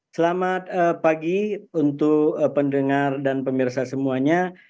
selamat pagi untuk pendengar dan pemirsa semuanya